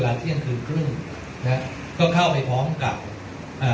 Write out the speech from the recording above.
เวลาที่เช่นกลางครึ่งนะครับเข้าไปพร้อมกับอ่า